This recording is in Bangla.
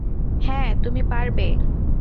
হ্যাঁ, তুমি পারবে।